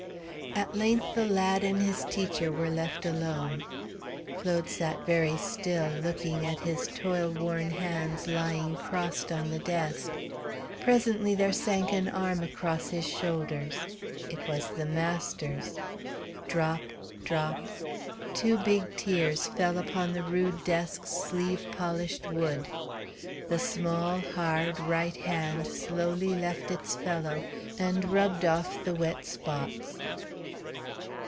At length the lad and his teacher were left alone. Claude sat very still, looking at his toil worn hands lying crossed on the desk. Presently there sank an arm across his shoulders. It was the master's. Drop drop two big tears fell upon the rude desk's sleeve polished wood. The small, hard, right hand slowly left its fellow, and rubbed off the wet spots.